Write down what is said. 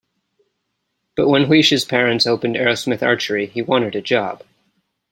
But when Huish's parents opened Arrowsmith Archery, he wanted a job.